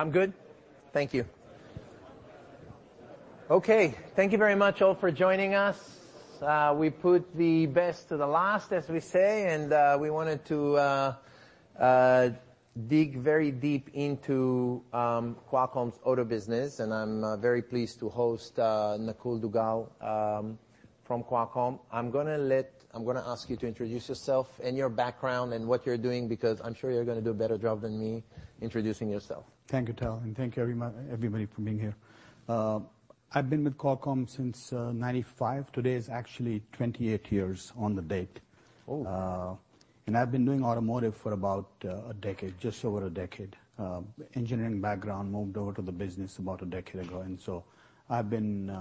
I'm good? Thank you. Okay, thank you very much, all, for joining us. We put the best to the last, as we say, and we wanted to dig very deep into Qualcomm's auto business, and I'm very pleased to host Nakul Duggal from Qualcomm. I'm gonna ask you to introduce yourself and your background and what you're doing, because I'm sure you're gonna do a better job than me introducing yourself. Thank you, Tal, and thank you, everybody for being here. I've been with Qualcomm since 1995. Today is actually 28 years on the date. Oh. I've been doing automotive for about, a decade, just over a decade. Engineering background, moved over to the business about a decade ago, and so I've been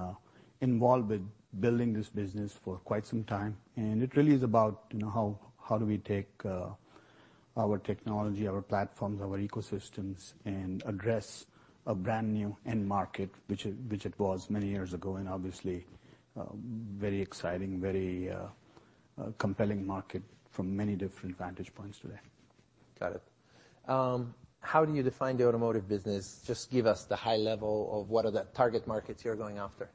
involved with building this business for quite some time. It really is about, you know, how do we take, our technology, our platforms, our ecosystems, and address a brand-new end market, which it was many years ago, and obviously, very exciting, very, compelling market from many different vantage points today. Got it. How do you define the automotive business? Just give us the high level of what are the target markets you're going after.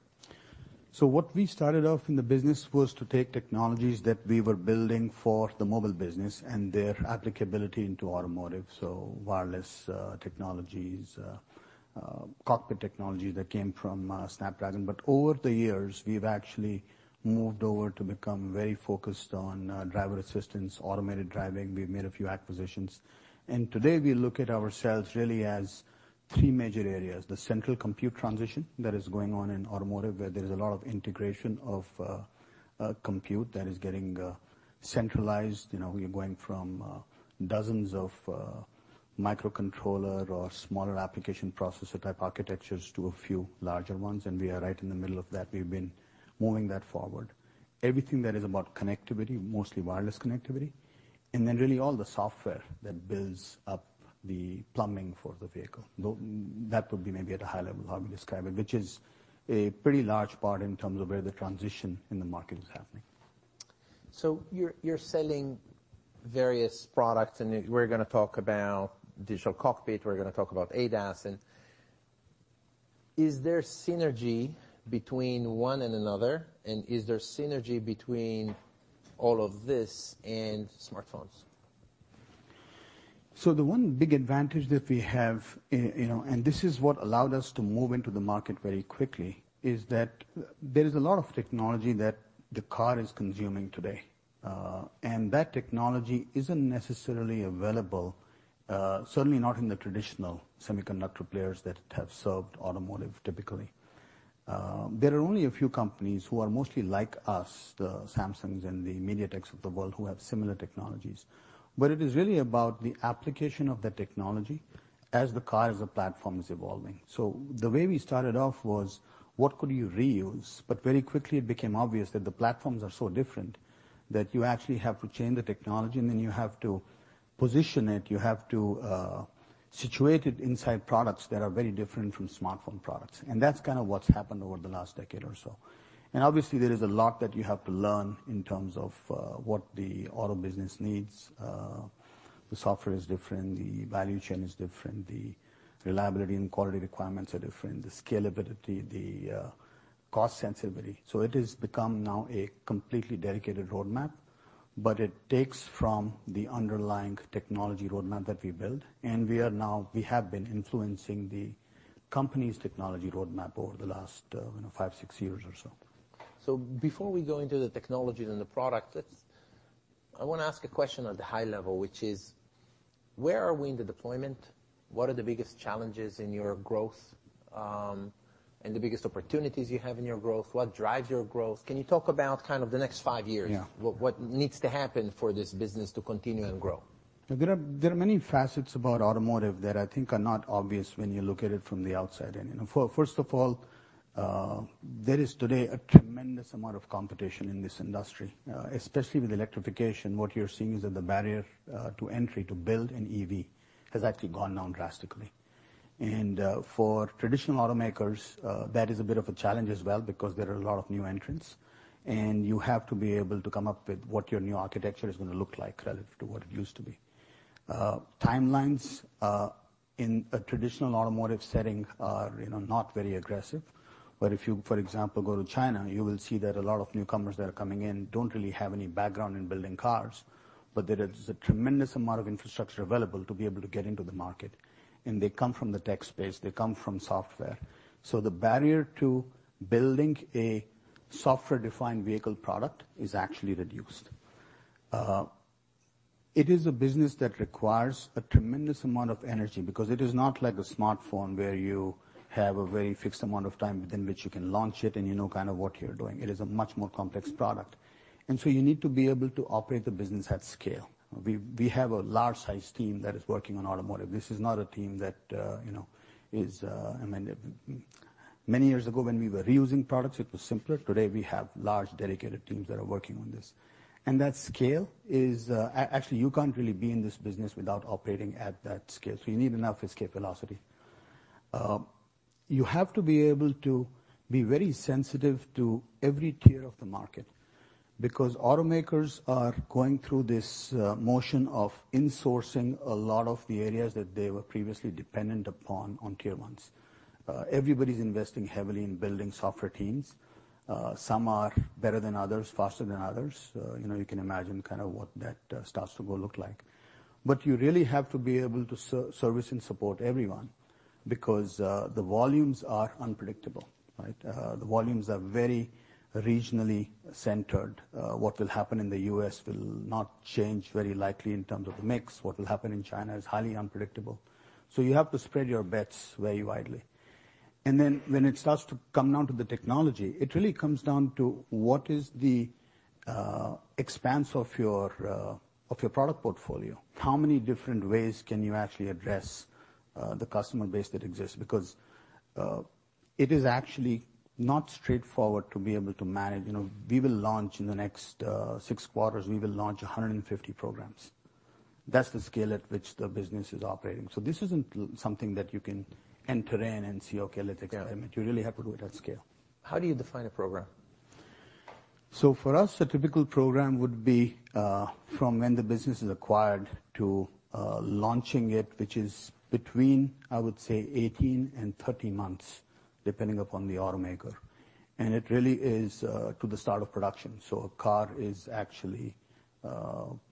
What we started off in the business was to take technologies that we were building for the mobile business and their applicability into automotive, so wireless technologies, cockpit technology that came from Snapdragon. Over the years, we've actually moved over to become very focused on driver assistance, automated driving. We've made a few acquisitions. Today, we look at ourselves really as three major areas: the central compute transition that is going on in automotive, where there is a lot of integration of compute that is getting centralized. You know, we are going from dozens of microcontroller or smaller application processor-type architectures to a few larger ones, and we are right in the middle of that. We've been moving that forward. Everything that is about connectivity, mostly wireless connectivity, and then really all the software that builds up the plumbing for the vehicle. That would be maybe at a high level how we describe it, which is a pretty large part in terms of where the transition in the market is happening. You're selling various products, and we're gonna talk about digital cockpit, we're gonna talk about ADAS. Is there synergy between one and another, and is there synergy between all of this and smartphones? The one big advantage that we have, you know, and this is what allowed us to move into the market very quickly, is that there is a lot of technology that the car is consuming today. That technology isn't necessarily available, certainly not in the traditional semiconductor players that have served automotive, typically. There are only a few companies who are mostly like us, the Samsungs and the MediaTeks of the world, who have similar technologies. It is really about the application of the technology as the car, as the platform, is evolving. The way we started off was, what could you reuse? Very quickly, it became obvious that the platforms are so different that you actually have to change the technology, and then you have to position it, you have to situate it inside products that are very different from smartphone products. That's kind of what's happened over the last decade or so. Obviously, there is a lot that you have to learn in terms of what the auto business needs. The software is different, the value chain is different, the reliability and quality requirements are different, the scalability, the cost sensibility. It has become now a completely dedicated roadmap, but it takes from the underlying technology roadmap that we build, and we have been influencing the company's technology roadmap over the last, you know, 5, 6 years or so. Before we go into the technologies and the products, I wanna ask a question at the high level, which is: Where are we in the deployment? What are the biggest challenges in your growth, and the biggest opportunities you have in your growth? What drives your growth? Can you talk about kind of the next five years? Yeah. What needs to happen for this business to continue and grow? There are many facets about automotive that I think are not obvious when you look at it from the outside in. First of all, there is today a tremendous amount of competition in this industry. Especially with electrification, what you're seeing is that the barrier to entry, to build an EV, has actually gone down drastically. For traditional automakers, that is a bit of a challenge as well, because there are a lot of new entrants, and you have to be able to come up with what your new architecture is gonna look like relative to what it used to be. Timelines in a traditional automotive setting are, you know, not very aggressive. If you, for example, go to China, you will see that a lot of newcomers that are coming in don't really have any background in building cars, but there is a tremendous amount of infrastructure available to be able to get into the market. They come from the tech space, they come from software. The barrier to building a software-defined vehicle product is actually reduced. It is a business that requires a tremendous amount of energy, because it is not like a smartphone, where you have a very fixed amount of time within which you can launch it, and you know kind of what you're doing. It is a much more complex product, and so you need to be able to operate the business at scale. We have a large-sized team that is working on automotive. This is not a team that, you know, I mean, many years ago, when we were reusing products, it was simpler. Today, we have large, dedicated teams that are working on this. That scale is, actually, you can't really be in this business without operating at that scale, so you need enough scale velocity. You have to be able to be very sensitive to every tier of the market, because automakers are going through this motion of insourcing a lot of the areas that they were previously dependent upon on tier ones. Everybody's investing heavily in building software teams. Some are better than others, faster than others. You know, you can imagine kind of what that starts to go look like. You really have to be able to service and support everyone, because the volumes are unpredictable, right? The volumes are very regionally centered. What will happen in the U.S. will not change very likely in terms of the mix. What will happen in China is highly unpredictable. You have to spread your bets very widely. When it starts to come down to the technology, it really comes down to what is the expanse of your of your product portfolio? How many different ways can you actually address the customer base that exists? It is actually not straightforward to be able to manage. You know, we will launch in the next six quarters, we will launch 150 programs. That's the scale at which the business is operating. This isn't something that you can enter in and say, "Okay, let's experiment. Yeah. You really have to do it at scale. How do you define a program? For us, a typical program would be from when the business is acquired to launching it, which is between, I would say, 18 and 30 months, depending upon the automaker. It really is to the start of production. A car is actually,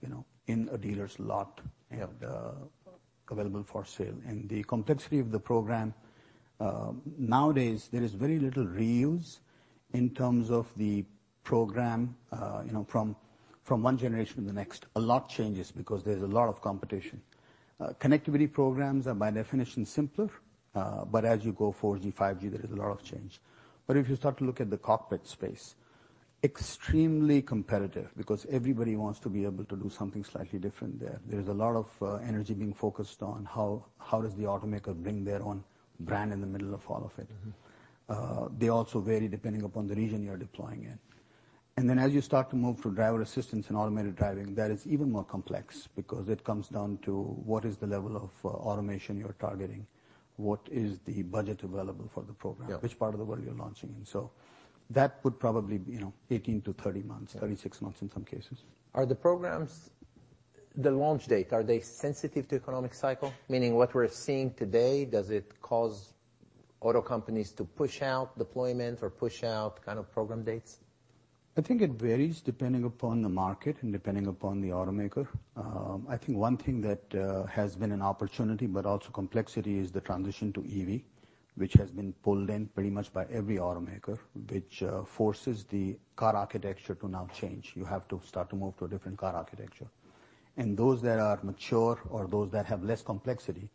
you know, in a dealer's lot. Okay. -available for sale. The complexity of the program, nowadays, there is very little reuse in terms of the program, you know, from one generation to the next. A lot changes because there's a lot of competition. Connectivity programs are, by definition, simpler, but as you go 4G, 5G, there is a lot of change. If you start to look at the cockpit space, extremely competitive, because everybody wants to be able to do something slightly different there. There's a lot of energy being focused on how does the automaker bring their own brand in the middle of all of it? Mm-hmm. They also vary depending upon the region you're deploying in. As you start to move to driver assistance and automated driving, that is even more complex, because it comes down to: What is the level of automation you're targeting? What is the budget available for the program? Yeah. Which part of the world you're launching in? That would probably be, you know, 18 to 30 months, 36 months in some cases. The launch date, are they sensitive to economic cycle? Meaning, what we're seeing today, does it cause auto companies to push out deployment or push out kind of program dates? I think it varies depending upon the market and depending upon the automaker. I think one thing that has been an opportunity but also complexity, is the transition to EV, which has been pulled in pretty much by every automaker, which forces the car architecture to now change. You have to start to move to a different car architecture. Those that are mature or those that have less complexity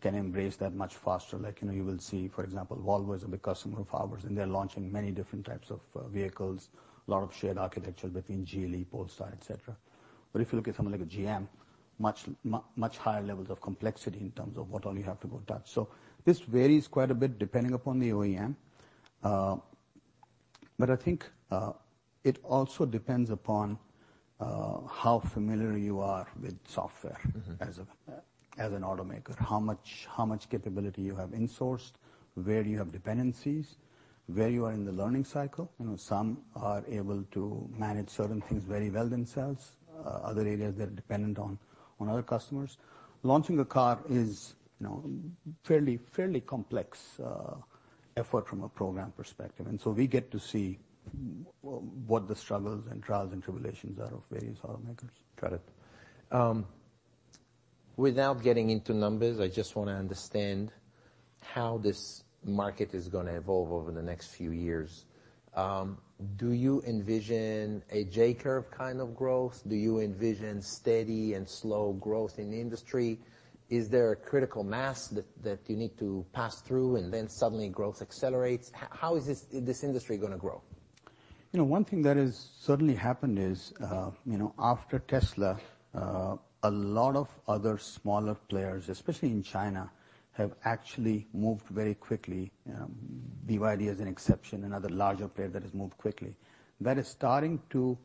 can embrace that much faster. Like, you know, you will see, for example, Volvo is a big customer of ours, and they're launching many different types of vehicles, a lot of shared architecture between Geely, Polestar, et cetera. If you look at someone like a GM, much higher levels of complexity in terms of what all you have to go touch. This varies quite a bit depending upon the OEM. I think it also depends upon how familiar you are with software-. Mm-hmm... as a, as an automaker. How much capability you have insourced, where you have dependencies, where you are in the learning cycle. You know, some are able to manage certain things very well themselves, other areas, they're dependent on other customers. Launching a car is, you know, fairly complex, effort from a program perspective, and so we get to see what the struggles and trials and tribulations are of various automakers. Got it. Without getting into numbers, I just wanna understand how this market is gonna evolve over the next few years? Do you envision a J-curve kind of growth? Do you envision steady and slow growth in the industry? Is there a critical mass that you need to pass through, and then suddenly growth accelerates? How is this industry gonna grow? You know, one thing that has certainly happened is, you know, after Tesla, a lot of other smaller players, especially in China, have actually moved very quickly. BYD is an exception, another larger player that has moved quickly. That is starting to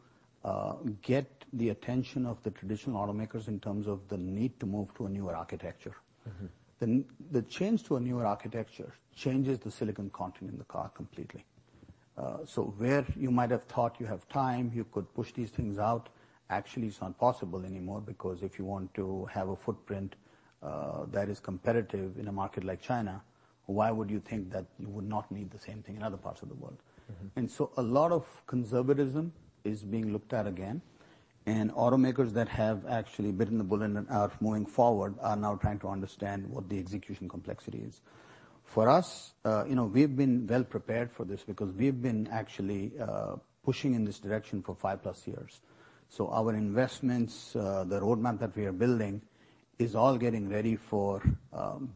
get the attention of the traditional automakers in terms of the need to move to a newer architecture. Mm-hmm. The change to a newer architecture changes the silicon content in the car completely. Where you might have thought you have time, you could push these things out, actually it's not possible anymore, because if you want to have a footprint that is competitive in a market like China, why would you think that you would not need the same thing in other parts of the world? Mm-hmm. A lot of conservatism is being looked at again, and automakers that have actually bitten the bullet and are moving forward are now trying to understand what the execution complexity is. For us, you know, we've been well prepared for this because we've been actually pushing in this direction for 5+ years. Our investments, the roadmap that we are building, is all getting ready for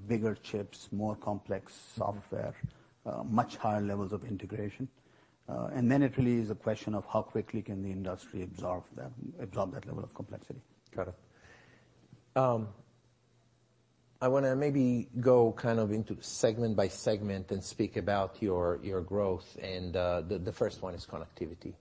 bigger chips, more complex software, much higher levels of integration. It really is a question of how quickly can the industry absorb them, absorb that level of complexity. Got it. I wanna maybe go kind of into segment by segment and speak about your growth, and the first one is connectivity.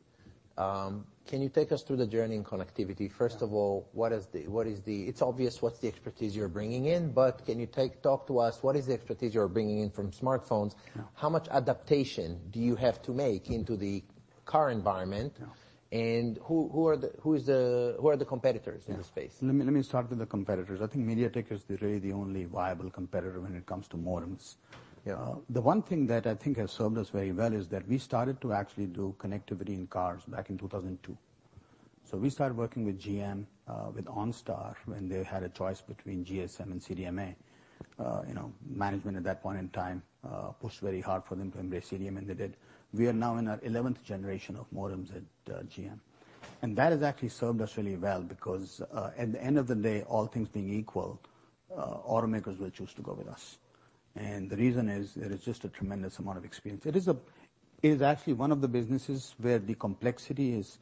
Can you take us through the journey in connectivity? First of all, it's obvious what's the expertise you're bringing in, but can you talk to us, what is the expertise you're bringing in from smartphones? Yeah. How much adaptation do you have to make into the car environment? Yeah. Who are the, who is the, who are the competitors in this space? Yeah. Let me start with the competitors. I think MediaTek is really the only viable competitor when it comes to modems. The one thing that I think has served us very well is that we started to actually do connectivity in cars back in 2002. We started working with GM, with OnStar, when they had a choice between GSM and CDMA. You know, management at that point in time pushed very hard for them to embrace CDMA, they did. We are now in our 11th generation of modems at GM, that has actually served us really well. At the end of the day, all things being equal, automakers will choose to go with us. The reason is, that it's just a tremendous amount of experience. It is actually one of the businesses where the complexity is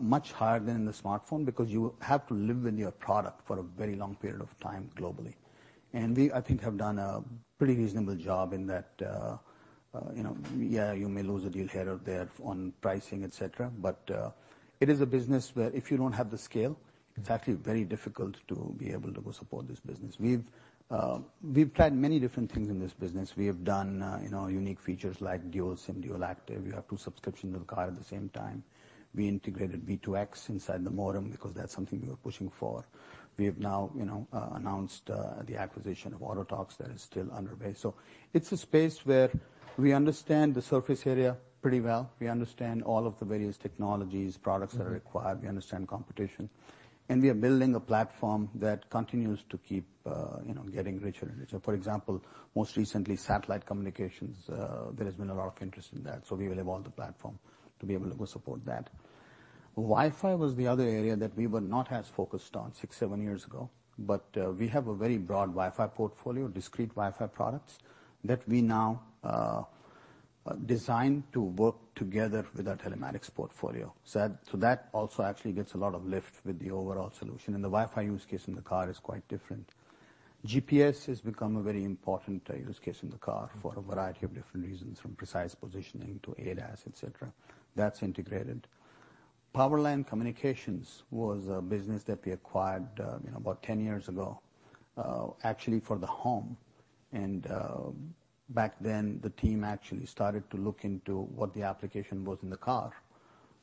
much higher than in the smartphone, because you have to live with your product for a very long period of time globally. We, I think, have done a pretty reasonable job in that, you know. Yeah, you may lose a deal here or there on pricing, et cetera, but it is a business where if you don't have the scale, it's actually very difficult to be able to go support this business. We've tried many different things in this business. We have done, you know, unique features like Dual-SIM Dual-Active. You have two subscriptions in the car at the same time. We integrated V2X inside the modem because that's something we were pushing for. We have now, you know, announced the acquisition of Autotalks. That is still underway. It's a space where we understand the surface area pretty well. We understand all of the various technologies, products that are required. Mm-hmm. We understand competition, and we are building a platform that continues to keep, you know, getting richer and richer. For example, most recently, satellite communications, there has been a lot of interest in that, so we will evolve the platform to be able to go support that. Wi-Fi was the other area that we were not as focused on 6, 7 years ago, but we have a very broad Wi-Fi portfolio, discrete Wi-Fi products, that we now design to work together with our telematics portfolio. So that, so that also actually gets a lot of lift with the overall solution. And the Wi-Fi use case in the car is quite different. GPS has become a very important use case in the car. Mm-hmm... for a variety of different reasons, from precise positioning to ADAS, et cetera. That's integrated. Powerline Communications was a business that we acquired, you know, about 10 years ago, actually, for the home, and back then, the team actually started to look into what the application was in the car.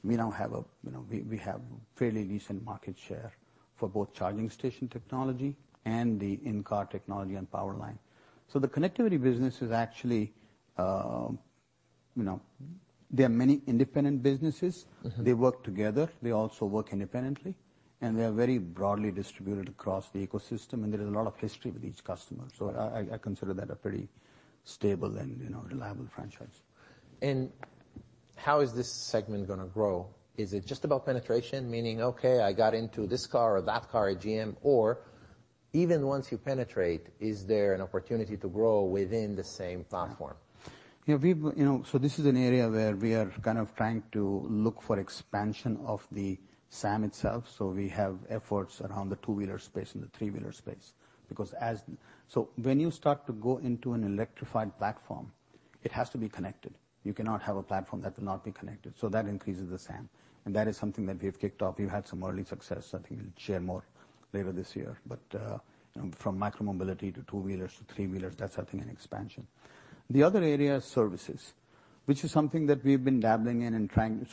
We now have a, you know, we have fairly decent market share for both charging station technology and the in-car technology and power line. The connectivity business is actually, you know. There are many independent businesses. Mm-hmm. They work together. They also work independently. They are very broadly distributed across the ecosystem. There is a lot of history with each customer. I consider that a pretty stable and, you know, reliable franchise. How is this segment going to grow? Is it just about penetration, meaning, "Okay, I got into this car or that car at GM," or even once you penetrate, is there an opportunity to grow within the same platform? Yeah, we've, you know, this is an area where we are kind of trying to look for expansion of the SAM itself, so we have efforts around the two-wheeler space and the three-wheeler space. When you start to go into an electrified platform, it has to be connected. You cannot have a platform that will not be connected, that increases the SAM, that is something that we have kicked off. We've had some early success. I think we'll share more later this year. From micro mobility to two-wheelers to three-wheelers, that's, I think, an expansion. The other area is services, which is something that we've been dabbling in and trying...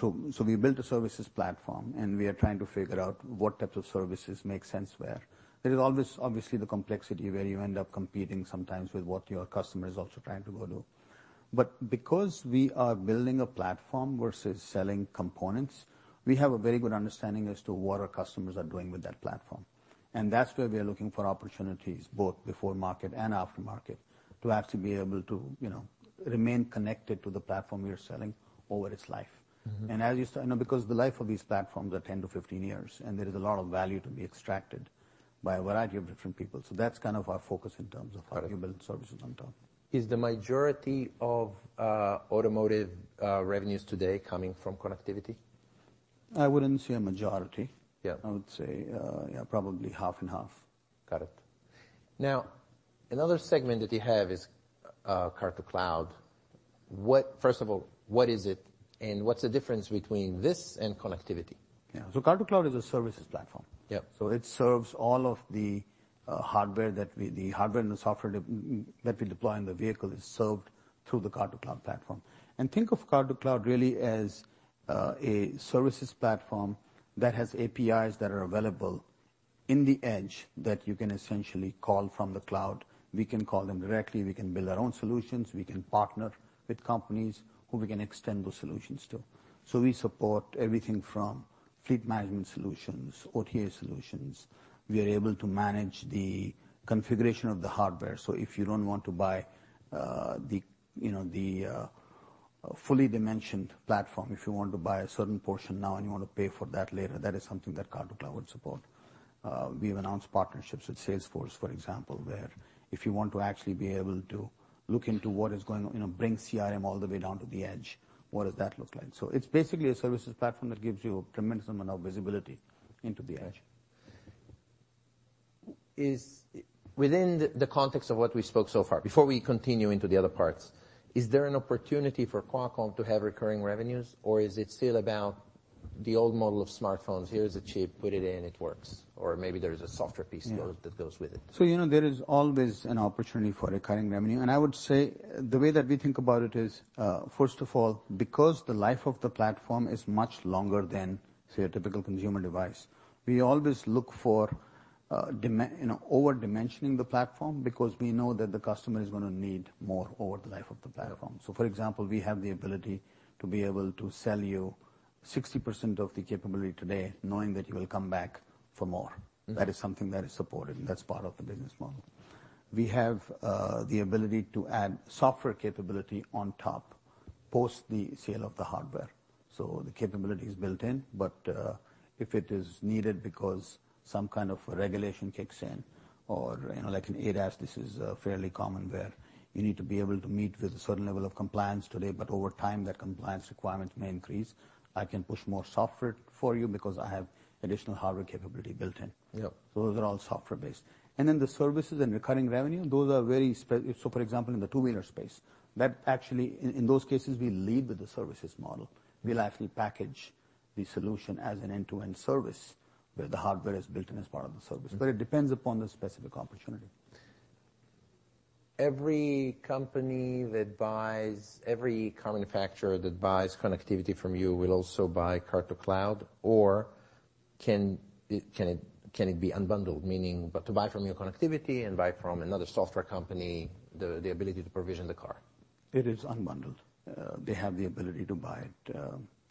We built a services platform, we are trying to figure out what types of services make sense where. There is always, obviously, the complexity where you end up competing sometimes with what your customer is also trying to go do. Because we are building a platform versus selling components, we have a very good understanding as to what our customers are doing with that platform. That's where we are looking for opportunities, both before market and after market, to actually be able to, you know, remain connected to the platform we are selling over its life. Mm-hmm. As you know, because the life of these platforms are 10-15 years, and there is a lot of value to be extracted by a variety of different people. That's kind of our focus in terms of. Got it.... how you build services on top. Is the majority of automotive revenues today coming from connectivity? I wouldn't say a majority. Yeah. I would say, yeah, probably half and half. Got it. Now, another segment that you have is, Car-to-Cloud. First of all, what is it, and what's the difference between this and connectivity? Yeah. Car-to-Cloud is a services platform. Yeah. It serves all of the hardware and the software that we deploy in the vehicle is served through the Car-to-Cloud platform. Think of Car-to-Cloud really as a services platform that has APIs that are available in the edge, that you can essentially call from the cloud. We can call them directly. We can build our own solutions. We can partner with companies who we can extend those solutions to. We support everything from fleet management solutions, OTA solutions. We are able to manage the configuration of the hardware, so if you don't want to buy the fully dimensioned platform, if you want to buy a certain portion now, and you wanna pay for that later, that is something that Car-to-Cloud would support. We've announced partnerships with Salesforce, for example, where if you want to actually be able to look into what is going on, you know, bring CRM all the way down to the edge, what does that look like? It's basically a services platform that gives you a tremendous amount of visibility into the edge.... is, within the context of what we spoke so far, before we continue into the other parts, is there an opportunity for Qualcomm to have recurring revenues, or is it still about the old model of smartphones? Here is a chip, put it in, it works, or maybe there is a software piece- Yeah. that goes with it. You know, there is always an opportunity for recurring revenue. I would say the way that we think about it is, first of all, because the life of the platform is much longer than, say, a typical consumer device, we always look for, you know, over-dimensioning the platform, because we know that the customer is going to need more over the life of the platform. For example, we have the ability to be able to sell you 60% of the capability today, knowing that you will come back for more. Mm-hmm. That is something that is supported, that's part of the business model. We have the ability to add software capability on top, post the sale of the hardware, so the capability is built in. If it is needed because some kind of regulation kicks in, or, you know, like in ADAS, this is fairly common, where you need to be able to meet with a certain level of compliance today, but over time, that compliance requirements may increase. I can push more software for you because I have additional hardware capability built in. Yep. Those are all software-based. The services and recurring revenue, those are very spec-- For example, in the two-wheeler space, that actually In those cases, we lead with the services model. We'll actually package the solution as an end-to-end service, where the hardware is built in as part of the service. Mm-hmm. It depends upon the specific opportunity. Every company that buys, every manufacturer that buys connectivity from you, will also buy Car-to-Cloud, or can it be unbundled? Meaning, to buy from your connectivity and buy from another software company, the ability to provision the car. It is unbundled. They have the ability to buy it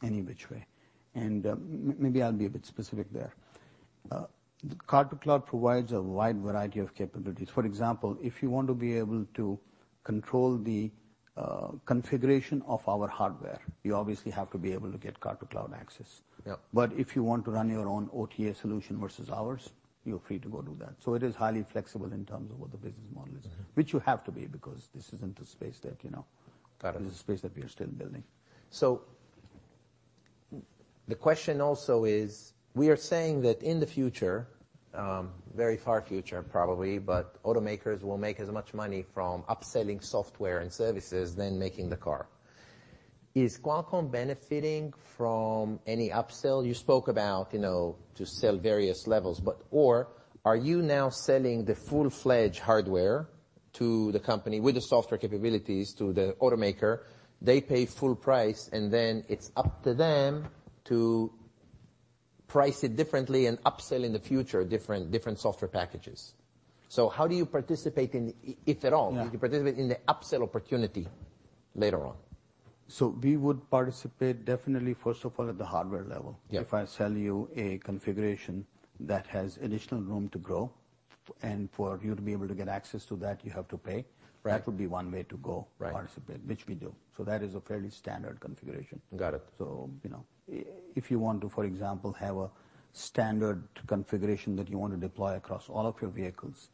any which way. Maybe I'll be a bit specific there. The Car-to-Cloud provides a wide variety of capabilities. For example, if you want to be able to control the configuration of our hardware, you obviously have to be able to get Car-to-Cloud access. Yep. If you want to run your own OTA solution versus ours, you're free to go do that. It is highly flexible in terms of what the business model is. Mm-hmm. Which you have to be, because this isn't a space that, you know... Got it. This is a space that we are still building. The question also is: we are saying that in the future, very far future, probably, but automakers will make as much money from upselling software and services than making the car. Is Qualcomm benefiting from any upsell? You spoke about, you know, to sell various levels, or are you now selling the full-fledged hardware to the company with the software capabilities to the automaker? They pay full price, and then it's up to them to price it differently and upsell in the future, different software packages. How do you participate in, if at all? Yeah. Do you participate in the upsell opportunity later on? We would participate, definitely, first of all, at the hardware level. Yep. If I sell you a configuration that has additional room to grow, and for you to be able to get access to that, you have to pay. Right. That would be one way to go- Right to participate, which we do. That is a fairly standard configuration. Got it. you know, if you want to, for example, have a standard configuration that you want to deploy across all of your vehicles,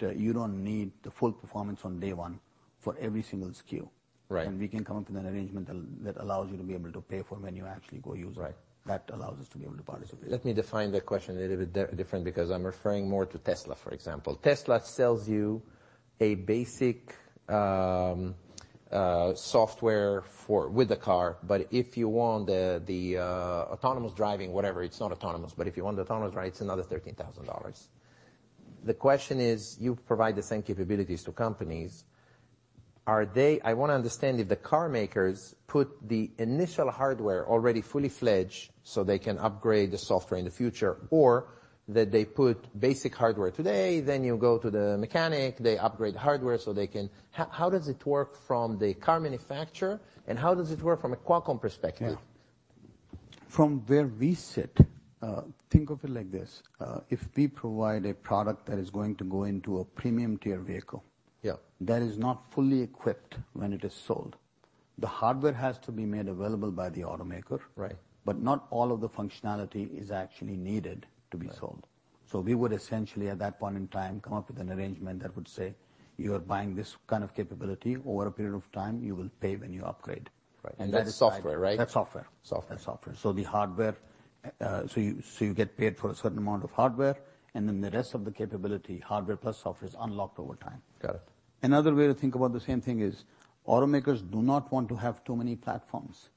you don't need the full performance on day one for every single SKU. Right. We can come up with an arrangement that allows you to be able to pay for when you actually go use it. Right. That allows us to be able to participate. Let me define the question a little bit different, because I'm referring more to Tesla, for example. Tesla sells you a basic software for... with the car, but if you want the autonomous driving, whatever, it's not autonomous, but if you want the autonomous, right, it's another $13,000. The question is, you provide the same capabilities to companies. I want to understand if the car makers put the initial hardware already fully fledged so they can upgrade the software in the future, or that they put basic hardware today, then you go to the mechanic, they upgrade the hardware so they can... How does it work from the car manufacturer, and how does it work from a Qualcomm perspective? From where we sit, think of it like this, if we provide a product that is going to go into a premium-tier vehicle. Yep that is not fully equipped when it is sold, the hardware has to be made available by the automaker. Right. Not all of the functionality is actually needed to be sold. Right. We would essentially, at that point in time, come up with an arrangement that would say: You are buying this kind of capability. Over a period of time, you will pay when you upgrade. Right. That's software, right? That's software. Software. That's software. The hardware, so you get paid for a certain amount of hardware, and then the rest of the capability, hardware plus software, is unlocked over time. Got it. Another way to think about the same thing is, automakers do not want to have too many platforms,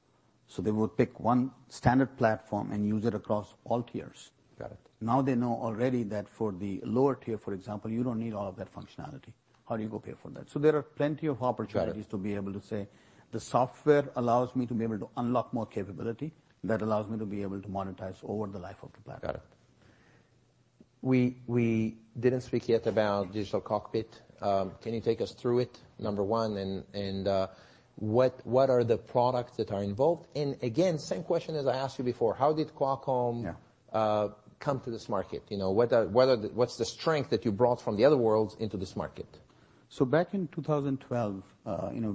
so they will pick one standard platform and use it across all tiers. Got it. They know already that for the lower tier, for example, you don't need all of that functionality. How do you go pay for that? There are plenty of opportunities... Got it.... to be able to say, "The software allows me to be able to unlock more capability, that allows me to be able to monetize over the life of the platform. Got it. We didn't speak yet about digital cockpit. Can you take us through it, number one, and what are the products that are involved? Again, same question as I asked you before: How did Qualcomm- Yeah... come to this market? You know, what's the strength that you brought from the other worlds into this market? Back in 2012, you know,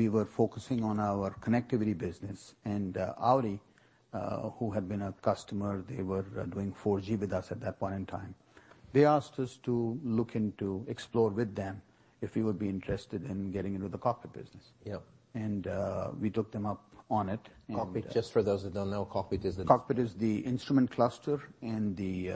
we were focusing on our connectivity business, and Audi, who had been a customer, they were doing 4G with us at that point in time. They asked us to look into, explore with them, if we would be interested in getting into the cockpit business. Yep. We took them up on it. Cockpit, just for those that don't know, cockpit is the- Cockpit is the instrument cluster and the,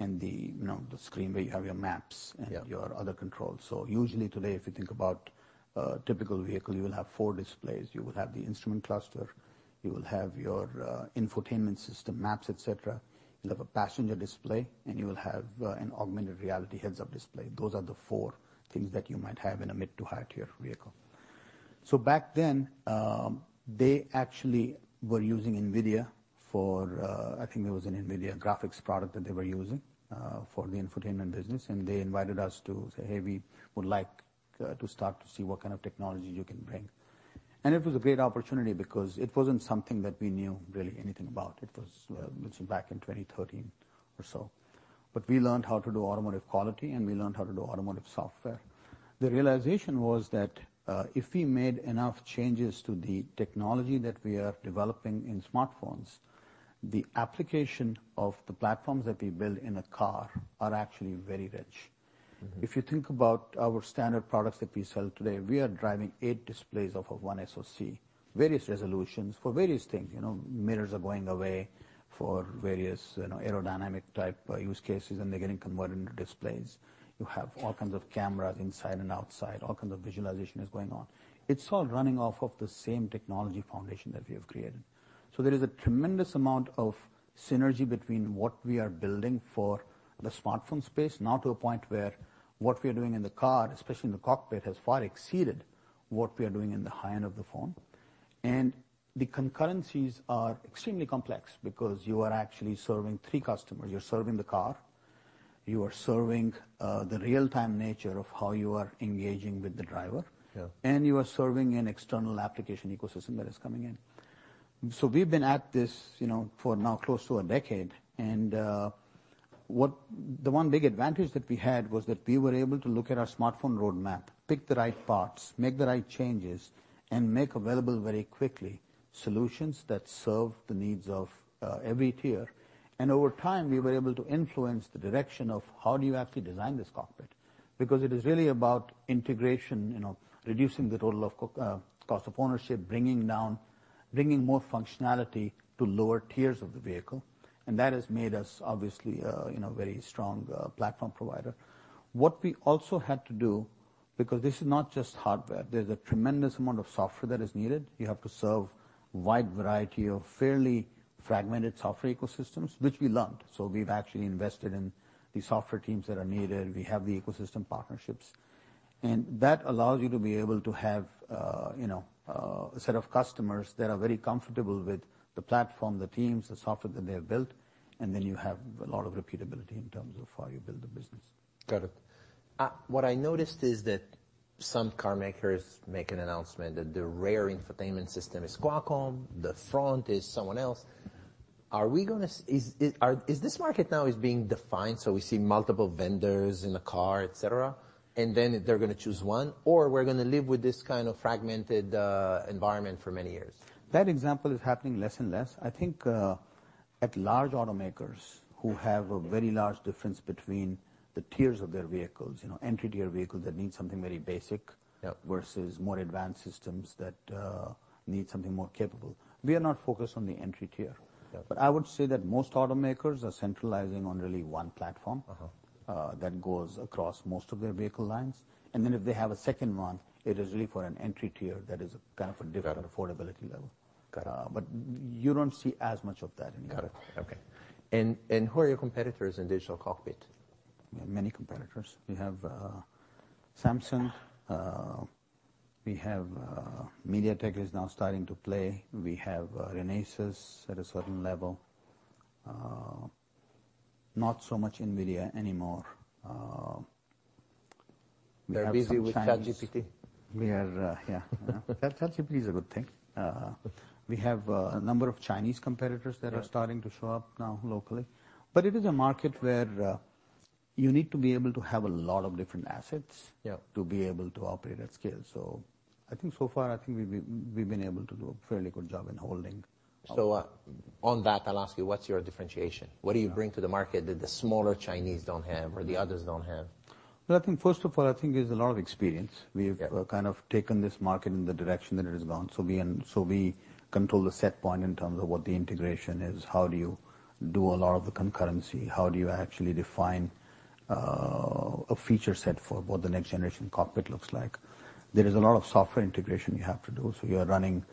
you know, the screen where you have your maps... Yep and your other controls. Usually today, if you think about a typical vehicle, you will have four displays. You will have the instrument cluster, you will have your infotainment system, maps, et cetera. You'll have a passenger display, and you will have an augmented reality heads-up display. Those are the four things that you might have in a mid to high-tier vehicle. Back then, they actually were using NVIDIA for, I think it was an NVIDIA graphics product that they were using for the infotainment business. They invited us to say, "Hey, we would like to start to see what kind of technology you can bring." It was a great opportunity because it wasn't something that we knew really anything about. It was, this was back in 2013 or so. We learned how to do automotive quality, and we learned how to do automotive software. The realization was that if we made enough changes to the technology that we are developing in smartphones, the application of the platforms that we build in a car are actually very rich. Mm-hmm. If you think about our standard products that we sell today, we are driving 8 displays off of 1 SoC. Various resolutions for various things. You know, mirrors are going away for various, you know, aerodynamic-type use cases. They're getting converted into displays. You have all kinds of cameras inside and outside. All kinds of visualization is going on. It's all running off of the same technology foundation that we have created. There is a tremendous amount of synergy between what we are building for the smartphone space, now to a point where what we are doing in the car, especially in the cockpit, has far exceeded what we are doing in the high-end of the phone. The concurrencies are extremely complex because you are actually serving 3 customers. You're serving the car, you are serving, the real-time nature of how you are engaging with the driver. Yeah. You are serving an external application ecosystem that is coming in. We've been at this, you know, for now close to a decade. The one big advantage that we had, was that we were able to look at our smartphone roadmap, pick the right parts, make the right changes, and make available very quickly, solutions that serve the needs of every tier. Over time, we were able to influence the direction of how do you actually design this cockpit? Because it is really about integration, you know, reducing the total cost of ownership, bringing more functionality to lower tiers of the vehicle, and that has made us, obviously, you know, a very strong platform provider. What we also had to do, because this is not just hardware, there's a tremendous amount of software that is needed. We have to serve a wide variety of fairly fragmented software ecosystems, which we learned. We've actually invested in the software teams that are needed, we have the ecosystem partnerships. That allows you to be able to have, you know, a set of customers that are very comfortable with the platform, the teams, the software that they have built, and then you have a lot of repeatability in terms of how you build the business. Got it. What I noticed is that some car makers make an announcement that the rear infotainment system is Qualcomm, the front is someone else. Are we gonna Is this market now is being defined, so we see multiple vendors in a car, et cetera, and then they're gonna choose one? Or we're gonna live with this kind of fragmented environment for many years? That example is happening less and less. I think, at large automakers who have a very large difference between the tiers of their vehicles, you know, entry-tier vehicles that need something very basic. Yeah... versus more advanced systems that need something more capable. We are not focused on the entry tier. Yeah. I would say that most automakers are centralizing on really one platform... Uh-huh... that goes across most of their vehicle lines. If they have a second one, it is really for an entry tier that is kind of a different- Got it.... affordability level. Got it. You don't see as much of that anymore. Got it. Okay. Who are your competitors in digital cockpit? We have many competitors. We have Samsung, we have MediaTek is now starting to play. We have Renesas at a certain level. Not so much NVIDIA anymore, we have some Chinese- They're busy with ChatGPT. We are. Yeah. ChatGPT is a good thing. we have a number of Chinese competitors- Yeah... that are starting to show up now, locally. It is a market where you need to be able to have a lot of different assets- Yeah... to be able to operate at scale. I think so far, I think we've been able to do a fairly good job in holding. On that, I'll ask you, what's your differentiation? Yeah. What do you bring to the market that the smaller Chinese don't have or the others don't have? Well, I think first of all, I think it's a lot of experience. Yeah. We've kind of taken this market in the direction that it has gone. We control the set point in terms of what the integration is, how do you do a lot of the concurrency? How do you actually define a feature set for what the next generation cockpit looks like? There is a lot of software integration you have to do. You are running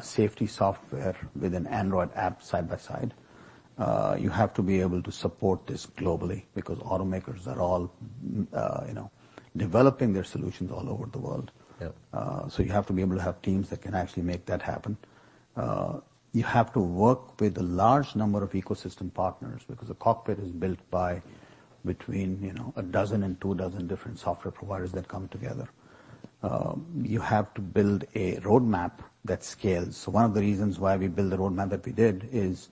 safety software with an Android app, side by side. You have to be able to support this globally, because automakers are all, you know, developing their solutions all over the world. Yep. You have to be able to have teams that can actually make that happen. You have to work with a large number of ecosystem partners, because a cockpit is built by between, you know, a dozen and two dozen different software providers that come together. You have to build a roadmap that scales. One of the reasons why we built the roadmap that we did is,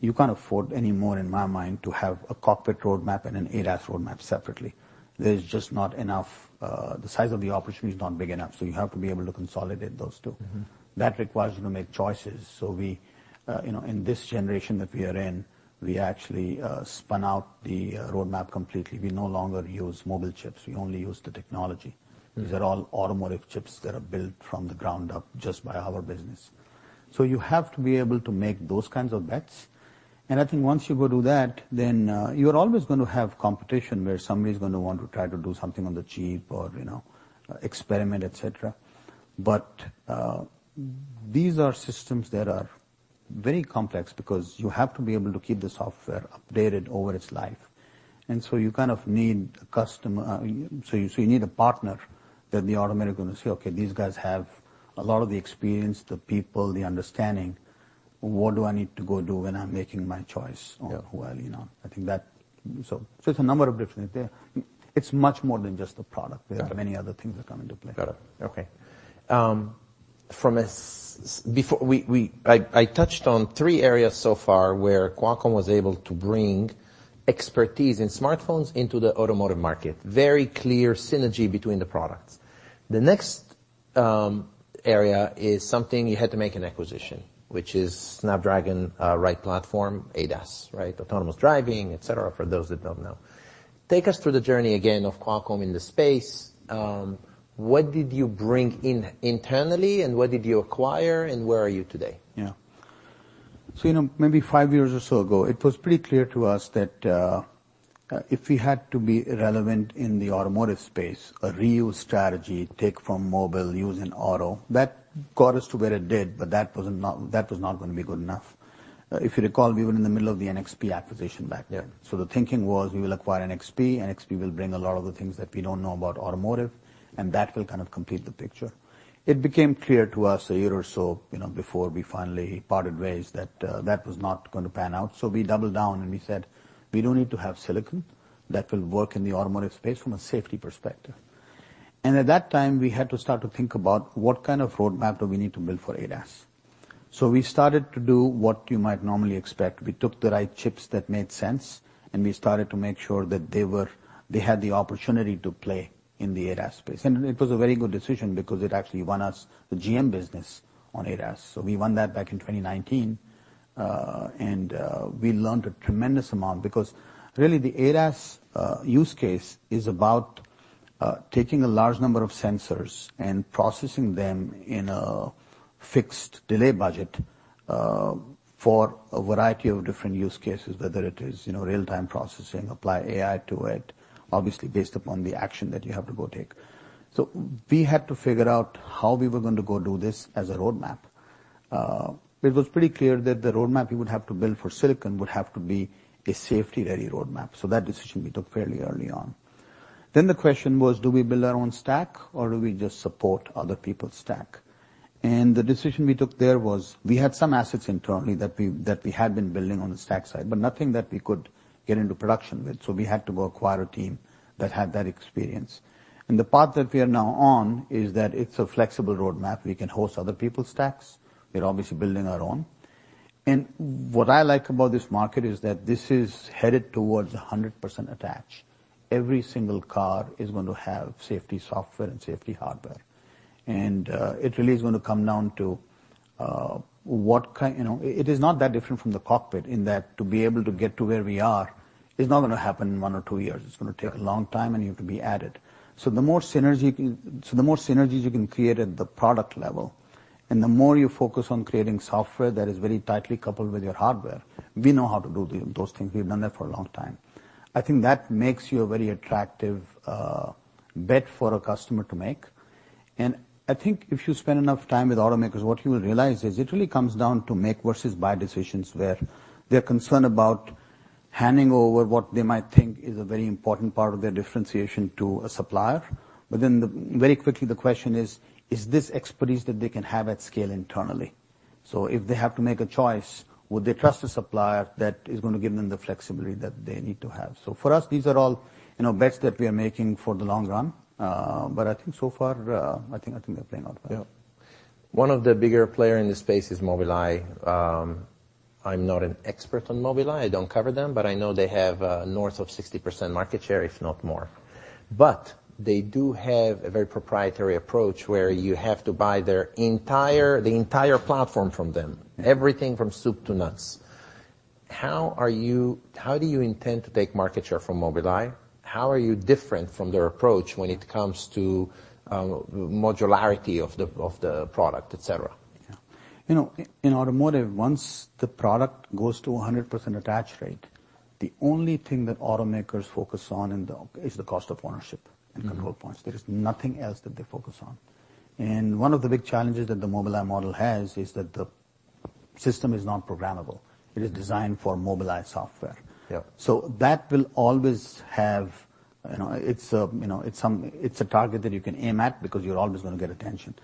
you can't afford any more, in my mind, to have a cockpit roadmap and an ADAS roadmap separately. There's just not enough. The size of the opportunity is not big enough, so you have to be able to consolidate those two. Mm-hmm. That requires you to make choices. We, you know, in this generation that we are in, we actually, spun out the roadmap completely. We no longer use mobile chips; we only use the technology. Mm. These are all automotive chips that are built from the ground up, just by our business. You have to be able to make those kinds of bets. I think once you go do that, you're always going to have competition, where somebody's going to want to try to do something on the cheap or, you know, experiment, et cetera. These are systems that are very complex because you have to be able to keep the software updated over its life, and so you kind of need a custom. So you need a partner that the automaker is going to say, "Okay, these guys have a lot of the experience, the people, the understanding. What do I need to go do when I'm making my choice. Yeah. -on who I..." You know? I think that. It's a number of differences there. It's much more than just the product. Got it. There are many other things that come into play. Got it. Okay. From before I touched on three areas so far where Qualcomm was able to bring expertise in smartphones into the automotive market. Very clear synergy between the products. The next area is something you had to make an acquisition, which is Snapdragon Ride platform, ADAS, right? Autonomous driving, et cetera, for those that don't know. Take us through the journey again of Qualcomm in the space. What did you bring in internally, and what did you acquire, and where are you today? Yeah. You know, maybe five years or so ago, it was pretty clear to us that, if we had to be relevant in the automotive space, a reuse strategy, take from mobile, use in auto, that got us to where it did, but that was not going to be good enough. If you recall, we were in the middle of the NXP acquisition back then. Yeah. The thinking was, we will acquire NXP will bring a lot of the things that we don't know about automotive, and that will kind of complete the picture. It became clear to us a year or so, you know, before we finally parted ways, that was not going to pan out, we doubled down, and we said, "We don't need to have silicon that will work in the automotive space from a safety perspective." At that time, we had to start to think about what kind of roadmap do we need to build for ADAS? We started to do what you might normally expect. We took the right chips that made sense, and we started to make sure that they had the opportunity to play in the ADAS space. It was a very good decision because it actually won us the GM business on ADAS. We won that back in 2019. We learned a tremendous amount because really, the ADAS use case is about taking a large number of sensors and processing them in a fixed delay budget for a variety of different use cases, whether it is, you know, real-time processing, apply AI to it, obviously, based upon the action that you have to go take. We had to figure out how we were going to go do this as a roadmap. It was pretty clear that the roadmap we would have to build for silicon would have to be a safety-ready roadmap, so that decision we took fairly early on. The question was, do we build our own stack, or do we just support other people's stack? The decision we took there was, we had some assets internally that we had been building on the stack side, but nothing that we could get into production with, so we had to go acquire a team that had that experience. The path that we are now on is that it's a flexible roadmap. We can host other people's stacks. We're obviously building our own. What I like about this market is that this is headed towards a 100% attach. Every single car is going to have safety software and safety hardware. It really is going to come down to, you know, it is not that different from the cockpit, in that to be able to get to where we are is not going to happen in 1 or 2 years. It's going to take a long time, and you have to be at it. The more synergies you can create at the product level, and the more you focus on creating software that is very tightly coupled with your hardware, we know how to do those things. We've done that for a long time. I think that makes you a very attractive bet for a customer to make. I think if you spend enough time with automakers, what you will realize is it really comes down to make versus buy decisions, where they're concerned about handing over what they might think is a very important part of their differentiation to a supplier. Very quickly, the question is: Is this expertise that they can have at scale internally? If they have to make a choice, would they trust a supplier that is going to give them the flexibility that they need to have? For us, these are all, you know, bets that we are making for the long run. I think so far, I think they're playing out well. Yeah. One of the bigger player in this space is Mobileye. I'm not an expert on Mobileye. I don't cover them, but I know they have, north of 60% market share, if not more. They do have a very proprietary approach, where you have to buy the entire platform from them. Yeah. Everything from soup to nuts. How do you intend to take market share from Mobileye? How are you different from their approach when it comes to modularity of the product, et cetera? Yeah. You know, in automotive, once the product goes to 100% attach rate, the only thing that automakers focus on is the cost of ownership. Mm-hmm. Control points. There is nothing else that they focus on. One of the big challenges that the Mobileye model has is that the system is not programmable. It is designed for Mobileye software. Yeah. That will always have, you know, it's, you know, it's a target that you can aim at because you're always going to get attention.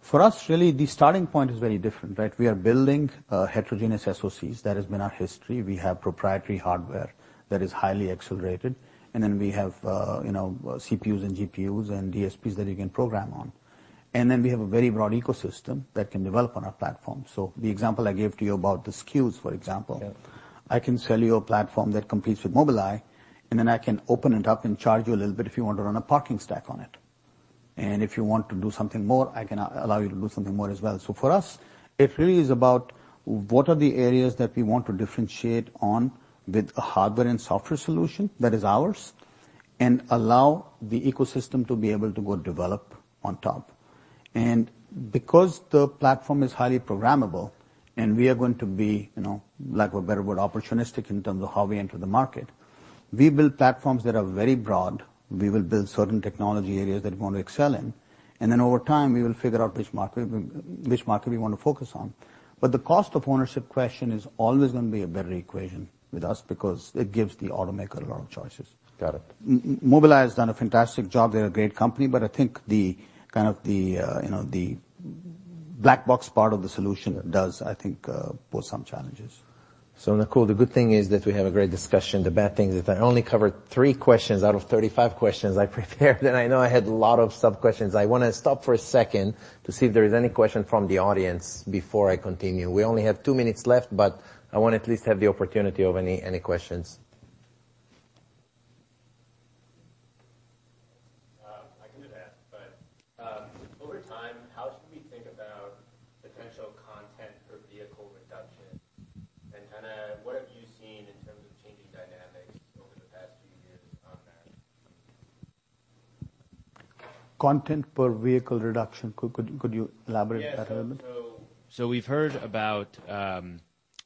For us, really, the starting point is very different, right? We are building heterogeneous SoCs. That has been our history. We have proprietary hardware that is highly accelerated, and then we have, you know, CPUs and GPUs and DSPs that you can program on. We have a very broad ecosystem that can develop on our platform. The example I gave to you about the SKUs, for example- Yeah. I can sell you a platform that competes with Mobileye, and then I can open it up and charge you a little bit if you want to run a parking stack on it. If you want to do something more, I can allow you to do something more as well. For us, it really is about what are the areas that we want to differentiate on with a hardware and software solution that is ours? Allow the ecosystem to be able to go develop on top. Because the platform is highly programmable, and we are going to be, you know, lack of a better word, opportunistic in terms of how we enter the market, we build platforms that are very broad. We will build certain technology areas that we want to excel in. Over time, we will figure out which market we want to focus on. The cost of ownership question is always going to be a better equation with us because it gives the automaker a lot of choices. Got it. Mobileye has done a fantastic job. They're a great company, but I think the, kind of, the, you know, the black box part of the solution does, I think, pose some challenges. Nakul, the good thing is that we have a great discussion. The bad thing is that I only covered three questions out of 35 questions I prepared, and I know I had a lot of sub-questions. I wanna stop for a second to see if there is any question from the audience before I continue. We only have two minutes left, but I want to at least have the opportunity of any questions. I can just ask, but, over time, how should we think about potential content per vehicle reduction? Kinda what have you seen in terms of changing dynamics over the past few years on that? Content per vehicle reduction. Could you elaborate that a little? Yes. We've heard about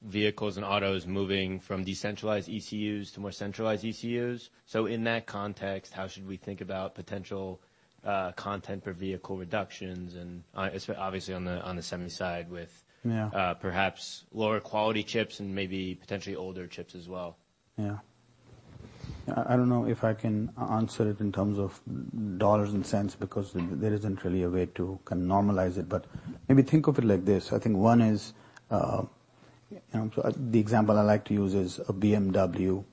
vehicles and autos moving from decentralized ECUs to more centralized ECUs. In that context, how should we think about potential content per vehicle reductions? It's obviously on the semi side. Yeah... perhaps lower quality chips and maybe potentially older chips as well. Yeah. I don't know if I can answer it in terms of dollars and cents, because there isn't really a way to kind of normalize it. Maybe think of it like this, I think one is, the example I like to use is a BMW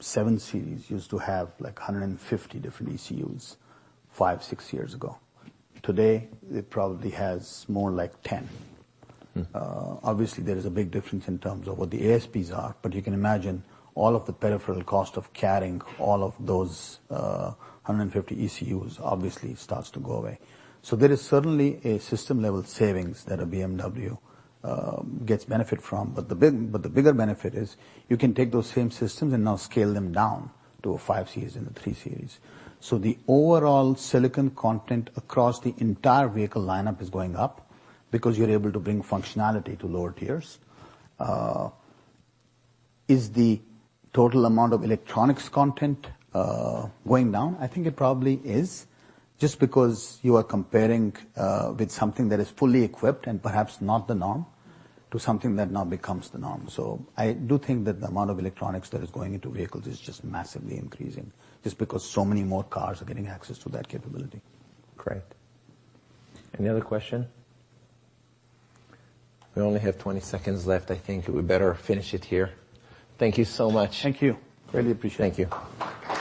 7 series, used to have, like, 150 different ECUs, five, six years ago. Today, it probably has more like 10. Obviously, there is a big difference in terms of what the ASPs are, but you can imagine all of the peripheral cost of carrying all of those, 150 ECUs obviously starts to go away. There is certainly a system-level savings that a BMW gets benefit from. The bigger benefit is you can take those same systems and now scale them down to a 5 series and a 3 series. The overall silicon content across the entire vehicle lineup is going up because you're able to bring functionality to lower tiers. Is the total amount of electronics content going down? I think it probably is, just because you are comparing with something that is fully equipped and perhaps not the norm, to something that now becomes the norm. I do think that the amount of electronics that is going into vehicles is just massively increasing, just because so many more cars are getting access to that capability. Great. Any other question? We only have 20 seconds left. I think we better finish it here. Thank you so much. Thank you. Really appreciate it. Thank you.